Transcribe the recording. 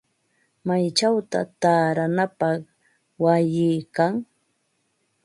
¿Maychawta taaranapaq wayi kan?